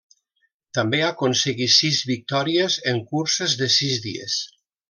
També aconseguí sis victòries en curses de sis dies.